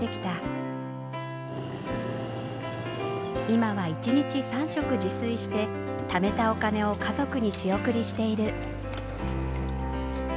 今は一日３食自炊してためたお金を家族に仕送りしている。